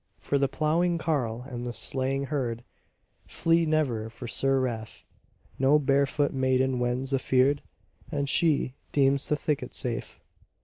For the ploughing carle and the straying herd Flee never for Sir Rafe: No barefoot maiden wends afeard, And she deems the thicket safe.